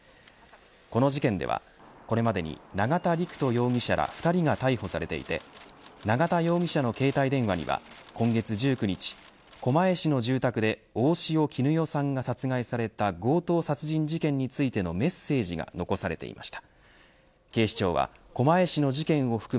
この事件では、これまでに永田陸人容疑者ら２人が逮捕されていて永田容疑者の携帯電話には今月１９日狛江市の住宅で大塩衣与さんが殺害された強盗殺人事件についてのメッセージが残されていました。